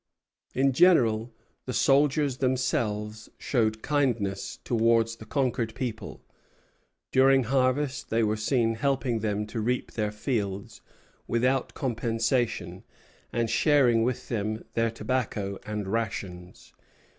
In general the soldiers themselves showed kindness towards the conquered people; during harvest they were seen helping them to reap their fields, without compensation, and sharing with them their tobacco and rations.